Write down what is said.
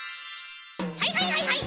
はいはいはいはい！